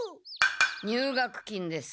入学金です。